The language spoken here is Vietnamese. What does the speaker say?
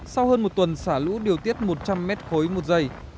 sau hơn một tuần xả lũ điều tiết một trăm linh mét khối một giây